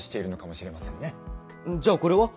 じゃあこれは？